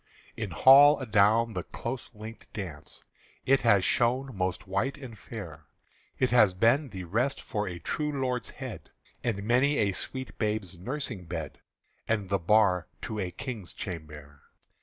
In hall adown the close linked dance It has shone most white and fair; It has been the rest for a true lord's head, And many a sweet babe's nursing bed, And the bar to a King's chambère.